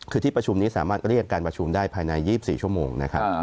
คือที่ประชุมนี้สามารถเรียกการประชุมได้ภายใน๒๔ชั่วโมงนะครับ